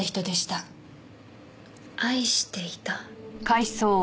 愛していた？